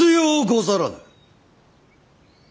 ござらぬ！